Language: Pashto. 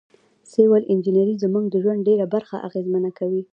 سیول انجنیری زموږ د ژوند ډیره برخه اغیزمنه کوي.